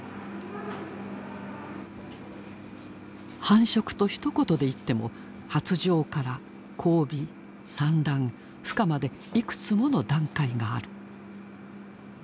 繁殖とひと言で言っても発情から交尾産卵孵化までいくつもの段階がある。